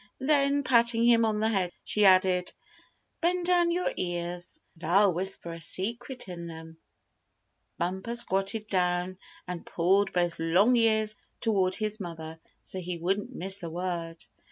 Then, patting him on the head, she added: "Bend down your ears, and I'll whisper a secret in them." Bumper squatted down, and pulled both long ears toward his mother so he wouldn't miss a word.